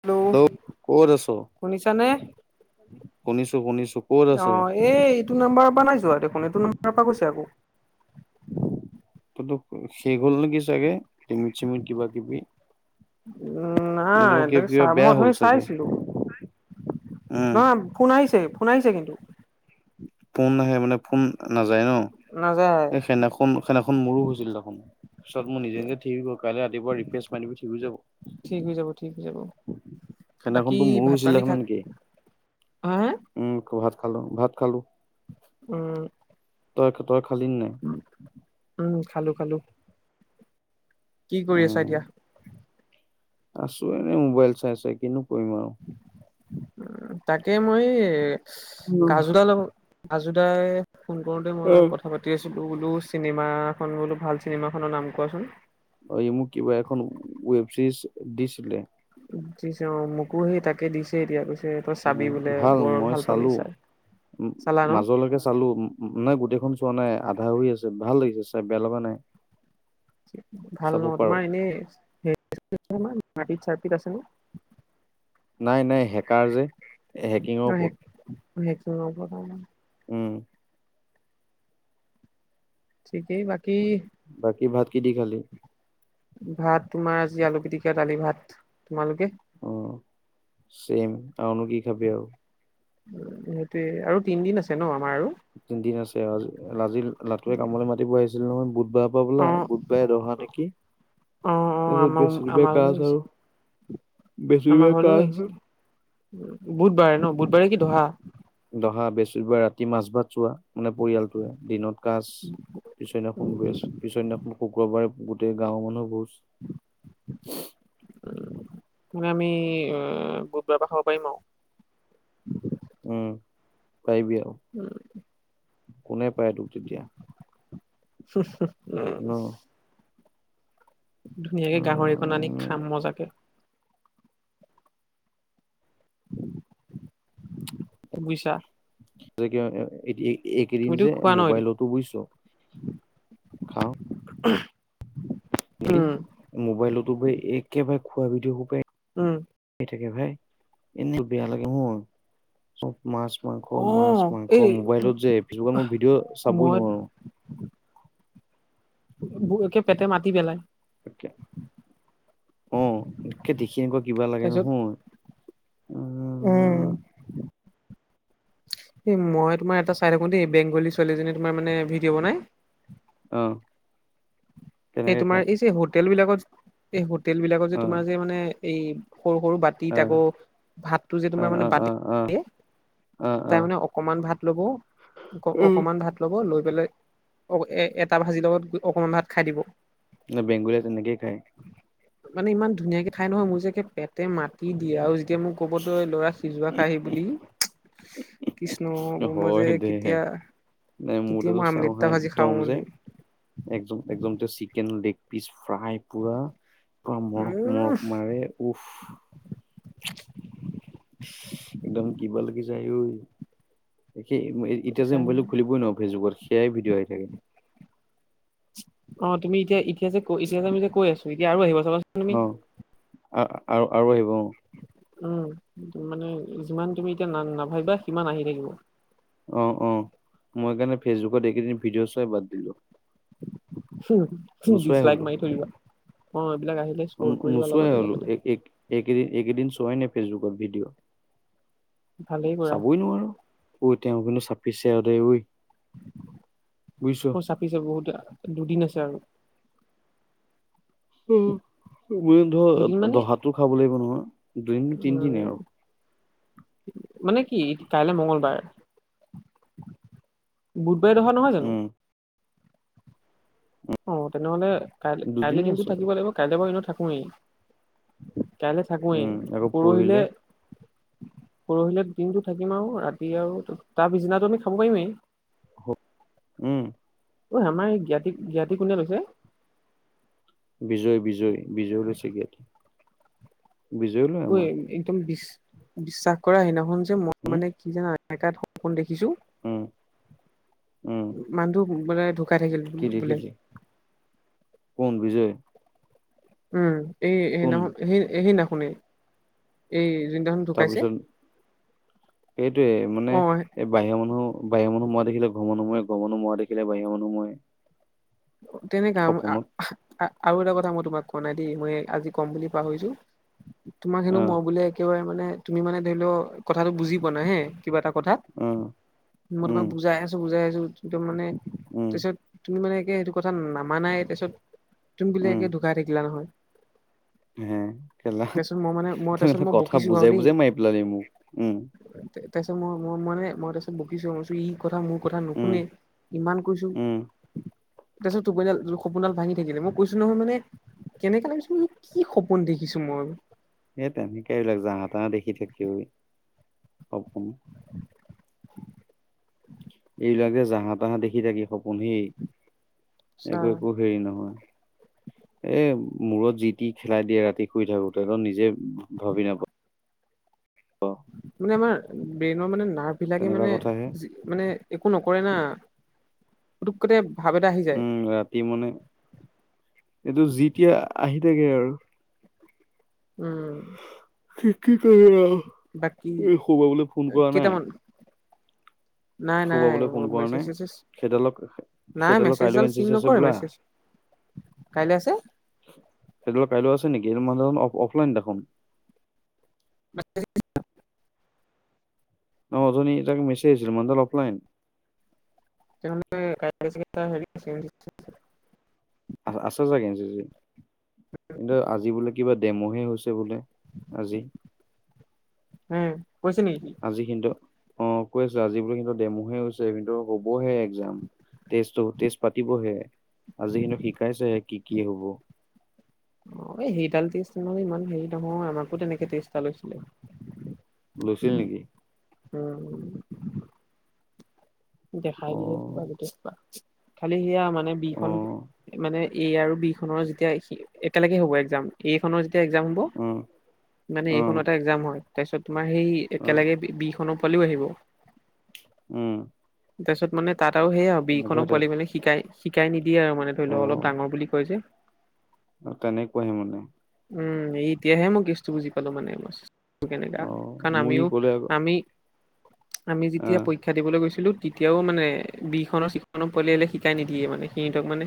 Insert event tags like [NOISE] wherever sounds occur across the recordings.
Hello, ক'ত আছ? শুনিছানে? শুনিছো শুনিছো ক'ত আছ? অ', এই ইটো নাম্বাৰৰ পৰা নাই যোৱা দেখোঁন এইটো নাম্বাৰৰ পৰা কৈছে আকৌ। ততো শেষ হ'ল নেকি চাগে, লিমিত-চিমিত কিবা কিবি। নাই নহবা এ কিবা কিবা চাহ মই বেয়া হ'ল অথনি চাগে চাইছিলোঁ। উম অ', ফোন আহিছে ফোন আহিছে কিন্তু। ফোন আহে মানে ফোন নাযায় ন? নাযায় এই সেইনাখন সেইনাখন মোৰো হৈছিল দেখোঁন, পিছত মোৰ নিজে-নিজে ঠিক হৈ গ'ল। কাইল্ ৰাতিপুৱা ৰিফ্ৰেছ মাৰিবি ঠিক হৈ যাব ঠিক হৈ যাব ঠিক হৈ যাব [INAUDIBLE] বাকী সেইনাখনটো মোৰো ভাত হৈছিল পানী দেখা নাই খাল নেকি? হা হা উম, খুব ভাত খালোঁ, ভাত খালোঁ। উম। তই-তই খালী নাই? খালোঁ-খালোঁ। কি কৰি আছা উম এতিয়া? আছো এনে মোবাইল চাই চাই কিনো কৰিম আৰু? উম, তাকে মই কাজু দাল লব কাজু দাই ফোন কৰোঁতে মই কথা পাতি আছিলোঁ বোলো চিনেমাখন বোলো ভাল চিনেমাখনৰ নাম কোৱাচোন? অ', ই মোক কিবা এখন ৱেব চিৰিজ দিছিলে। দিছে অ', মোকো সেই তাকে দিছে এতিয়া পিছ উম, ভাল মই চালো। চাই উম, চালা ন? মাজলৈকে চালো নাই গোটেইখন চোৱা নাই আধা হৈ আছে ভাল লাগিছে। চাই বেয়া লগা নাই। ভাল চাব নহ পাৰো তোমাৰ এনেই মাৰপিত চাৰপিত আছে নে? নাই নাই হেকাৰ যে হেকিঙৰ ওপৰত। অ' সেইটো ন' তাৰমানে? উম, ঠিকেই বাকি বাকী ভাত কি দি খালি? ভাত তোমাৰ আজি আলু পিটিকা দালি ভাত তোমালোকে? অ', চেম আৰুনো কি খাবি আৰু? সেইটোয়ে আৰু তিনদিন আছে ন? আমাৰ আৰু? তিনদিন আছে আজি আজি লাটুৱে কামলৈ মাতিব আহিছিল নহয় বুধবাৰৰ পৰা বলা অ', বুধবাৰে দহ মানে কি অ', অ', তাৰপিছত আমাৰ বৃহস্পতিবাৰে আমাৰলৈ কাজ আহিছে। আৰু। আমাৰ বৃহস্পতিবাৰে ঘৰলৈ ক্লাছ আহিছে বুধবাৰে ন' বুধবাৰে কি দহা? দহা বৃহস্পতিবাৰে ৰাতি মাছ ভাত চোৱা। মানে পৰিয়ালটোৱে দিনত কাচ, পিছদিনাখন পিছৰদিনাখন শুক্ৰবাৰে গোটেই গাঁৱৰ মানুহ বুজ মে আমি অ', বুধবাৰ পৰা খাব পাৰিম আৰু। উম, পাৰিবি আৰু কোনে পায় তোক তেতিয়া। ন উম, ধুনীয়াকে গাহৰিখন আনি খাম মজাকে। বুজিছা? [UNINTELLIGIBLE] এ এইকেইদিন তুমিতো যে খোৱা ন এদিন? মোবাইলতো বুজিছো খাওঁ। এইকিদিন উম, মোবাইলটো বোলো একেবাৰে খোৱা ভিডিঅ' খোপাই উম, থাকে ভাই এনে বেয়া লাগে মোৰ চব মাছ মাংস, মাছ অ', মাংস এই মোবাইলত যে কিছুমান যে মই ভিডিঅ' চাবই মই নোৱাৰো। [INAUDIBLE] একে পেটে মাতি পেলাই। তাকে অ', তকে দেখি এনেকুৱা কিবা লাগে তাৰপিছত নহয়। উম, [INAUDIBLE] এ মই তোমাৰ এটা চাই থাকো দেই বেংগলী ছোৱালীজনী তোমাৰ মানে ভিডিঅ' বনাই। অ', এই তোমাৰ এই যে হোটেল বিলাকত, এই হোটেল বিলাকত যে আহ তোমাৰ যে মানে এই সৰু সৰু বাতিত আহ আকৌ ভাতটো যে তোমাৰ আহ মানে আহ বাতি আহ আহ দে আহ তাৰ আহ মানে অকমান ভাত ল'ব অ, উম অকমান ভাত ল'ব লৈ বলে অ', এ এটা ভাজিৰ লগত অকমান ভাত খাই দিব। নে বেগুলীয়ে তেনেকেই খাই। মানে ইমান ধুনীয়াকে খাই নহয় মোৰ যে একে পেটে মাতি দিয়ে আৰু এতিয়া মোক ক'বতো এই ল'ৰা সিজোৱা খাইাহি বুলি কৃষ্ণ মই যে হয় দে কেতিয়া? নাই কিতিয়া আমলেট ভাজি খাওঁ মান একজন একজন তেওঁ [UNINTELLIGIBLE] চিকেন লেগ পিচ ফ্ৰাই পুৰা, পুৰা মৰক উম মৰক মাৰি, উফ! একদম কিবা লাগে যায় ঐ। সেই এতিয়া যে পইচা মোবাইলটো খুলিবই নোৱাৰোঁ ফেচবুকত, সেয়াই ভিডিঅ' আহি থাকে। অ', তুমি এতিয়া ইতিয়া ইতিয়া আমি যে কৈ আছো এতিয়া আৰু আহিবা চাবাচোন তুমি। আৰু-আৰু আহিব অ'। উম, মানে যিমান তুমি এতিয়া না-নাভাবিবা সিমান আহি থাকিব। অ', অ', মই কাৰণে ফেচবুকত এইকেইদিন ভিডিঅ' চোৱাই বাদ দিলো। নোচোৱাই ডিছ লাইক হলো মাৰি থৈ দিবা। অ এইবিলাক আহিলে স্ক্ৰল কৰি দিবা নোচোৱাই লগতে হ'লো, লগতে এ-একেদিন একেদিন চোৱাই নাই। ফেচবুকত ভিডিঅ', ভালেই কৰা চাবই নোৱাৰো তেওঁ কিন্তু পিছেদ [UNINTELLIGIBLE] উ অ', চাপিছে বহুতে, দুদিন আছে আৰু। উম। মই ধৰ দুদিন মানে দহাটো খাব লাগিব নহয়, দুদিন উম তিনিদনে আৰু। [INAUDIBLE] মানে কি কাইলে মঙ্গলবাৰ, বুধবাৰে দহা নহয় জানো? উম অ', তেনেহ'লে কাই-কাইলৈ দুদিনে দিনটো আছে আৰু থাকিব লাগিব, কাইলে বাৰু এনেও থাকোয়েই। কাইলৈ উম আকৌ থাকোৱেই, পৰহিলে পৰহিলে দিনটো থাকিম আৰু ৰাতি আৰু তাৰ পিছদিনাটো আমি খাব পাৰিমেই। উম ঐ আমাৰ এই জ্ঞাতি-জ্ঞাতি কোনে লৈছে? বিজয়-বিজয়-বিজয় লৈছে জ্ঞাতি। ঐ, একদম বিশ-বিশ্বাস কৰা, সেইদিনাখন যে মই উম মানে কি জানা [UNINTELLIGIBLE] সপোন দেখি ছো, উম উম মানুহটো মানে ঢুক কায় থাকিল কি বোলে। দেখিলি কোন বিজয় উম', এই কোন সেইদিনাখন সেই-সেইদিনাখনেই, এই জন ঢুকাইছে সেইটোয়েই মানে, অ এই বাহিৰৰ মানুহ বাহিৰৰ মানুহ মৰা দেখিলে ঘৰৰ মানুহ মৰে ঘৰৰ মানুহ মৰা দেখিলে বাহিৰা মানুহ মৰে। তেনেকা, সপোনত আম-আ-আ-আ আৰু এটা কথা মই তোমাক কোৱা নাই দেই, মই আজি ক'ম বুলি পাহৰিছোঁ তোমাক অ হেনো মই বোলে একেবাৰে মানে তুমি মানে ধৰি লওঁ, কথাটো বুজি পোৱা নাই হে কিবা এটা কথা অ মই উম তোমাক বুজাই আছোঁ বুজাই আছোঁ একদম মানে উম তাৰপিছত তুমি মানে একে সেইটো কথা নামানাই তাৰপিছত, তুমি বোলে উম একে ঢুকাই থাকিলা নহয়। হে? কেলা। তাৰপিছত মই মানে মই ত তাৰপিছত [UNINTELLIGIBLE] মই কথা বকিছো আৰু বুজাই দেই বুজাই মাৰি পেলালি মোক উম'। তাৰপিছত মই-মই মানে মই তাৰপিছত বকিছোঁ মই কৈছোঁ ই কথা মোৰ কথা উম নুশুনেই, ইমান কৈছোঁ। উম তাৰপিছত টোপনিডাল সপোনডাল ভাঙি থাকিলে, মই কৈছোঁ নহয় মানে কেনেকা লাগিছে মানে কি সপোন দেখিছোঁ মই? এহ্, তেনেকে এইবিলাক যাহা তাহা দেখি থাকে ঐ, সপোন এইবিলাক যে জাহা তাহা দেখি থাকে সপোন সি চা একো-একো হেৰি নহয়। এই মূৰত যি তি খেলাই দিয়ে ৰাতি শুই থাকোতে, তই নিজে ভাবি নাপা অ'। মানে আমাৰ ব্ৰেইনৰ মানে নাৰ্ভবিলাকে মানে কথাহে যি মানে একো নকৰে না পুতুকতে ভাৱ এটা আহি যায় উম' ৰাতি মানে, এইটো যি তি আহি থাকে আৰু উম'। কি-কি কৰিবা আৰু, বাকী ই শুব গ'লে ফোন কৰা নাই? নাই-নাই খোবাবলৈ ফোন কৰা মেছেজ নাই চছেছ সেইডালক নাই, সেইডালৰ কাইলৈ মেছেজডাল এন চি চিন চি আছে নকৰে, বোলা মেছেজ। কাইলে আছে। সেইটো কাইলৈ আছে নেকি? সেইটো মানুহজন দেখোন অফ-অফলাইন দেখোন। [UNINTELLIGIBLE] মই অথনি তাক মেছেজ দিছিলোঁ, মানুহজন অ'ফলাইন। তাৰ মানে [UNINTELLIGIBLE] হেৰি। আ-আছে চাগে জেজে [UNINTELLIGIBLE] কিন্তু আজি বোলে কিবা ডেম'হে হৈছে বোলে, আজি। অহ্। আজি কিন্তু অ' কৈ আছে আজি বোলে কিবা ডেম'হে হৈছে। কিন্তু হ'বহে এগ্জাম। টেষ্টটো, টেষ্ট পাতিবহে। আজি কিন্তু শিকাইছেহে কি কি হব। অ', এই সেইডাল টেষ্ট মানে ইমান হেৰি নহয়। আমাকো তেনেকে টেষ্ট এটা লৈছিলে। লৈছিল নেকি? উম', দেখাই অ দিয়ে এইসোপা গোটেইসোপা। খালি সেয়া মানে বি অ খন মানে এ আৰু বি খনৰ যেতিয়া এখি একেলগে হ'ব এগ্জাম। এ খনৰ যে তিয়া এগ্জাম হ'ব, অ মানে অ এ খন এটা এগ্জাম হয়। তাৰপিছত তোমাৰ সেই অ একেলগে বি-বি খনো কালিও আহিব। উম', তাৰপিছত মানে তাত আৰু সেয় আৰু বি খনো তেনেকুৱাই টাইপ [UNINTELLIGIBLE] শিকাই-শিকাই নি দিয়ে আৰু মানে ধৰি লওক অলপ ডাঙৰ বুলি কৈ যে আৰু তেনেক কুৱহে মানে উম এতিয়াহে মই কেচতো বুজি পালো মানে কেনেকা অ কাৰণ মোক ই আমিও ক'লে আকৌ আমি আমি যেতিয়া আহ পৰীক্ষা দিবলৈ গৈছিলো তেতিয়াও মানে বিখনৰ চিখননৰ পোৱলিয়িলে শিকাই নিদিয়ে মানে সিহঁতক মানে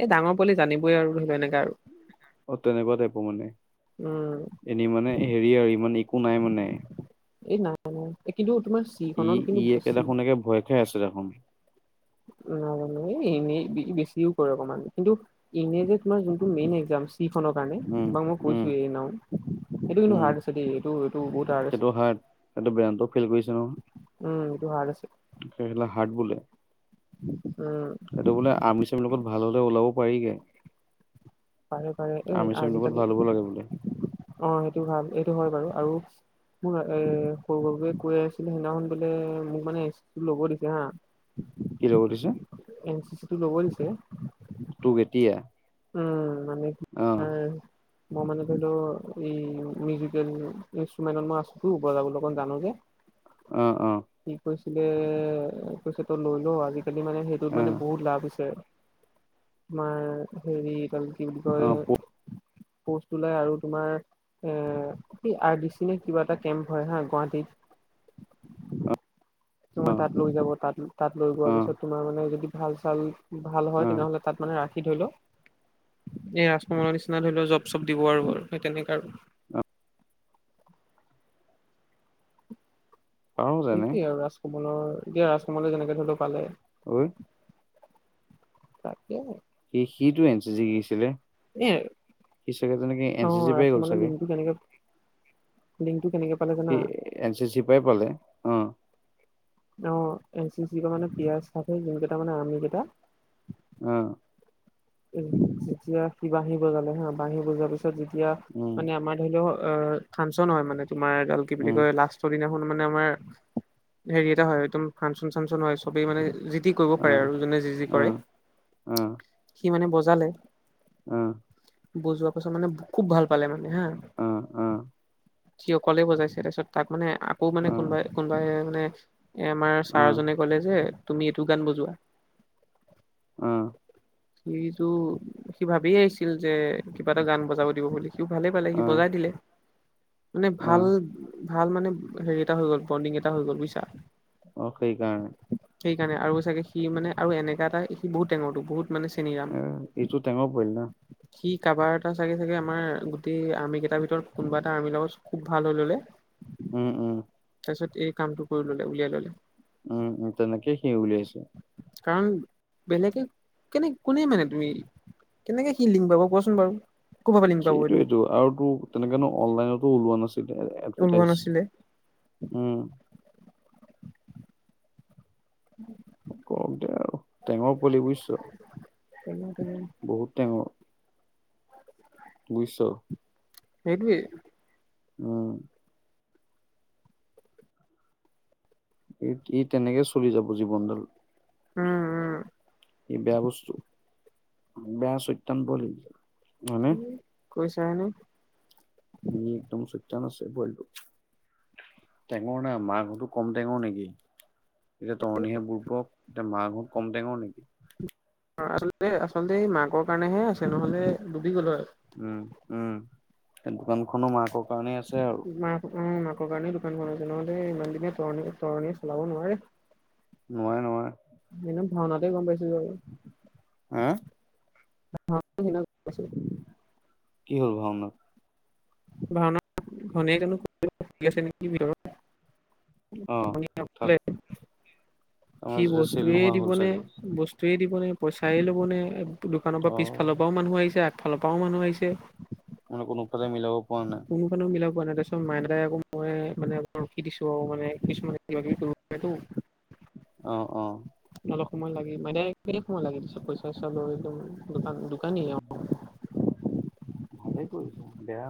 এ ডাঙৰ বুলি জানিবই আৰু ধৰি লও এনেককা আৰু অ তেনেকুৱা টাইপো মানে উম এনেই মানে হেৰি আৰু ইমান একো নাই মানে এই নাই নাই এই কিন্তু তোমাৰ চিখনতো কিন্তু চি ঠিকে আছে দেখোন। নাজানো এনেই বেছিও কৰে অকমান কিন্তু এনে যে তোমাৰ যোনটো মেইন এক্জাম। কিখনৰ কাৰণে উম বা মই উম কৈছো এই নও সেইটো কিন্তু উম হাৰ্ড আছে দেই এইটো এইটো বহুত হাৰ্ড আছে এইটো বেয়ানটো ফিল কৰিছে নহয়। উম এইটো হাৰ্ড আছে লে হাট বোলে। উম সেইটো বোলে আমৰিচামিৰ লগত ভাল হলে ওলাব পাৰিগে পাৰে পাৰে এই আৰ্মি চাৰ্মিৰ লগত আজিকালি ভাল হ'ব লাগে বোলে অ সেইটো ভাল এইটো হয় বাৰু আৰু উ মোৰ এ সৰুভৱে কৈ আছিলে সেইদিনাখন বোলে মোক মানে ল'ব দিছে হা কি [UNINTELLIGIBLE] কৰি দিছে? এন চি চি টো ল'ব দিছে। তোক এতিয়া উম আনে অ উম, মই মানে ধৰি লও এই মিউজিকেল ইনষ্ট্ৰুমেন্টত মই আছোতো বজাবলৈ অকন জানো যে, অ, অ, আ কৈছে তই লৈ ল আজিকালি মানে সেইটোত অ মানে বহুত লাভ হৈছে। আমাৰ হেৰি ত কি বুলি অ কয়? পোষ্ট ওলাই আৰু তোমাৰ এ আৰ ডি চি নে কিবা এটা কেম্প হয় হা গুৱাহাটীত অ' তোমাৰ তাত লৈ যাব, তাত তাত লৈ যোৱা অ পিছত তোমাৰ মানে যদি ভাল চাল ভাল অ হয় তেনেহ'লে তাত মানে ৰাখি ধৰি ল এ ৰাজকমলৰ নিচিনা ধৰি ল জব চব দিব আৰু, সেই তেনেকা আৰু। পাৰ যেনে সেইটোয়ে আৰু, ৰাজকমলৰ এতিয়া ৰাজকমলে যেনেকে ধৰি ল পালে। ঐ তাকে সি সিটো এন চি চি শিকিছিলে। এ সি চাগে এন চি চি পাই গ'ল চাগে। নি [UNINTELLIGIBLE] সি এন চি চিৰ পাই পালে। অ' অ' এন চি চি পা মানে পিযাৰ্চ চাকৰি যোন কেইটা মানে আৰ্মি কেইটা। আহ উম যেতিয়া সি বাঁহী বজালে হা বাঁহী বজোৱাৰ পিছত যেতিয়া উম মানে আমাৰ ধৰি লওঁ অ' ফাংচন হয় মানে, তোমাৰ এডাল কি বুলি উম কয় লাষ্টৰ দিনা শুন মানে আমাৰ হেৰি এটা হয়, তো ফাংচন চাংচন হয়। চবেই মানে যি তি যি কৰিব অ পাৰে, আৰু যোনে যি যি অ কৰে সি মানে বজালে আহ বজোৱাৰ পাছত মানে খুব ভাল পালে মানে আহ আহ যি অকলে বজাইছে, তাৰপিছত তাক মানে আকৌ মানে কোনোবাই অ কোনোবাই মানে এ আমাৰ ছাৰজনে ক'লে যে তুমি এইটো গান বজোৱা। অ অ সিটো সি ভাবিয়ে আহিছিল যে কিবা এটা গান বজাব দিব বুলি। সিওঁ ভালে পালে, সি বজাই দিলে। মানে অ ভাল ভাল মানে হেৰি এটা হৈ গ'ল বণ্ডিং এটা হৈ গ'ল বুজিছা। অ' সেইকাৰণে। সেইকাৰণে, আৰু চাগে সি মানে আৰু এনেকা এটা সি বহুত টেঙৰটো বহুত মানে চেনিৰাম ইটো টেঙৰ পোৱালি না। সি কাৰোবাৰ এটা চাগে চাগে আমাৰ গোটেই আৰ্মি কেইটাৰ ভিতৰত কোনোবা এটা আৰ্মিৰ লগত খুব ভাল হৈ ল'লে উম উম তাৰপিছত এই কামটো কৰি ল'লে উলিয়াই ল'লে। উম উম তেনেকে সি উলিয়াইছে কাৰণ বেলেগে কেনে কোনে মানে তুমি কেনেকে সি লিংক পাব কোৱাচোন বাৰু। ক'ৰবাৰ পৰা লিংক পাব এইটো সেইটোয়টো আৰু তোৰ তেনেকেনো অ'নলাইনতো ওলোৱা নাছিল। ওলোৱা এডভেৰটাইছ। নাছিলে উম উম [UNINTELLIGIBLE] কৰক দে আৰু টেঙৰ পোৱালি বুজিছ সেইটোৱে বহুত টেঙৰ। বুজিছ সেইটোয়ে। উম ই ই তেনেকে চলি যাব জীৱনডাল। উম ই বেয়া বস্তু, বেয়া চৈতান পোৱালি এইবিলাক। কৈ চাহনে? চইতান আছে পোৱালিতো টেঙৰ না মাকহ'তো কম টেঙৰ নেকি? এতিয়া তৰণিহে বুুৰ্বক এতিয়া মাকহ'ত কম টেঙৰ নেকি? আচলতে আচলতে এই মাকৰ কাৰণেহে আছে নহলে ডুবি গ'ল হয়। উম উম সেই দোকানখনো মাকৰ কাৰণেই আছে আৰু। মাক উম মাকৰ কাৰণে দোকানখন আছে, নহ'লে ইমান দিনে তৰনি তৰনিয়ে চলাব নোৱাৰে। নোৱাৰে নোৱাৰে এনে ভাওনাতে গম পাইছো হা বাৰু [INAUDIBLE] কি হ'ল ভাওনাত? ভাওনা ঘনীয়ে [INAUDIBLE] আছে নেকি ভিতৰত অ তাত [INAUDIBLE] আমাৰ কি যেতিয়া চেল বস্তুয়ে নোহোৱা হ'ল দিবনে চাগে বস্তু বস্তুয়ে দিবনেে পইচাই ল'বনে দোকানৰ অ পৰা পিছফালৰ পৰাও মানুহ আহিছে আ ফালৰ পৰাও মানুহ আহিছে মানে কোনোফালে মিলাব পৰা নাই। [INAUDIBLE] মাইনাই আকৌ মই মানে ৰখি দিছো আৰু মানে কিছুমানে কিবা কিবি কৰিব পাৰেতো অ, অ, অলপ সময় লাগি মানে সময় লাগি দিছে পইচা চইচা লৈ উম দোকান দোকানী ভালে কৰিছা বেয়া